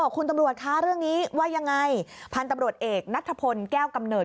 คุณตำรวจคะเรื่องนี้ว่ายังไงพันธุ์ตำรวจเอกนัทธพลแก้วกำเนิด